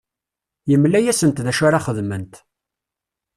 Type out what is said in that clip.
Yemla-asent d acu ara xedment.